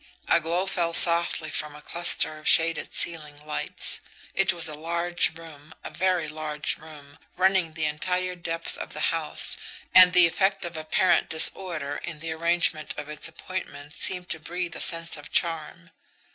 A glow fell softly from a cluster of shaded ceiling lights. It was a large room, a very large room, running the entire depth of the house, and the effect of apparent disorder in the arrangement of its appointments seemed to breathe a sense of charm.